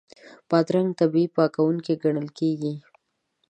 بادرنګ طبیعي پاکوونکی ګڼل کېږي.